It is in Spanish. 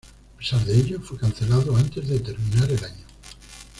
A pesar de ello, fue cancelado antes de terminar el año.